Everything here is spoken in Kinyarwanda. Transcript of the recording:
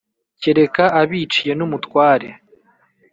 Kereka abiciye n'umutware !